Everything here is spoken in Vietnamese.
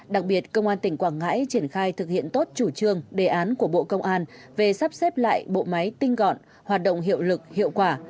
đặc biệt công an tỉnh quảng ngãi triển khai thực hiện tốt chủ trương đề án của bộ công an về sắp xếp lại bộ máy tinh gọn hoạt động hiệu lực hiệu quả